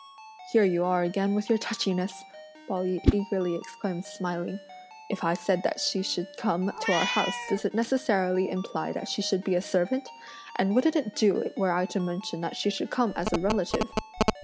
"Here you are again with your touchiness!" Pao yü eagerly exclaimed smiling, "if I said that she should come to our house, does it necessarily imply that she should be a servant? and wouldn't it do were I to mention that she should come as a relative!"